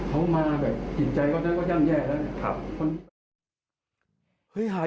เขามาแบบติดใจก็แย่แล้ว